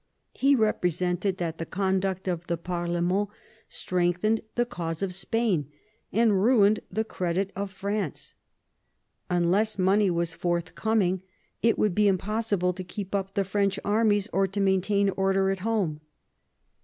He represented that the conduct of the parlemerU strengthened the cause of Spain, and ruined the credit of France. Unless money was forthcoming it would be impossible to keep up the French armies, or to maintain order at home.